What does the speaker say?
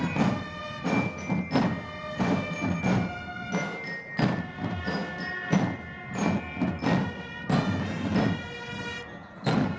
penata rama iv sersan mayor satu taruna wida nur atika